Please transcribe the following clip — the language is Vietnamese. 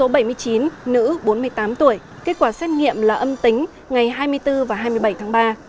bệnh nhân số bảy mươi chín nữ bốn mươi tám tuổi kết quả xét nghiệm là âm tính ngày hai mươi bốn và hai mươi bảy tháng ba